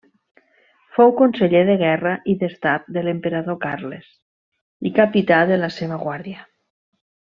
Fou conseller de guerra i d'estat de l'emperador Carles i capità de la seva guàrdia.